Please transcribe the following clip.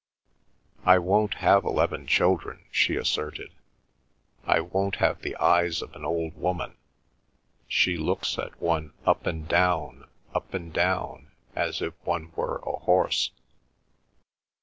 "I won't have eleven children," she asserted; "I won't have the eyes of an old woman. She looks at one up and down, up and down, as if one were a horse."